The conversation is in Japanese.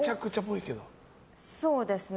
そうですね。